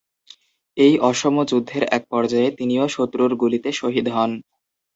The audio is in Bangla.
এই অসম যুদ্ধের একপর্যায়ে তিনিও শত্রুর গুলিতে শহীদ হন।